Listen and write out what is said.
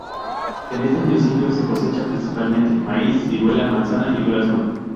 En este municipio se cosecha principalmente maíz, ciruela, manzana y durazno.